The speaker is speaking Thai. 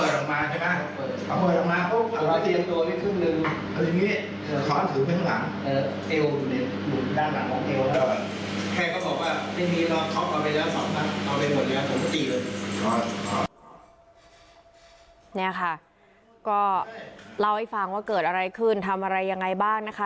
เนี่ยค่ะก็เล่าให้ฟังว่าเกิดอะไรขึ้นทำอะไรยังไงบ้างนะคะ